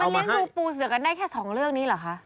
เลี้ยงดูปูเสือกันได้แค่๒เรื่องนี้เหรอคะ